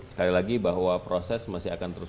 sekali lagi bahwa proses masih akan terus